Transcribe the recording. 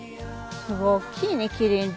すごいおっきいねキリンって。